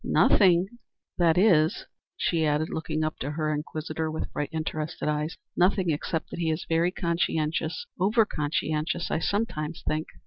"Nothing that is," she added, looking up at her inquisitor with bright, interested eyes, "nothing except that he is very conscientious over conscientious I sometimes think."